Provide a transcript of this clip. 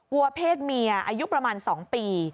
วัวเพศเมียอายุประมาณ๒ปี